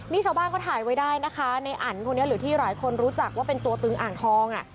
นี่ชาวบ้านเขาถ่ายไว้ได้นะคะในอันคนนี้หรือที่หลายคนรู้จักว่าเป็นตัวตึงอ่างทองอ่ะ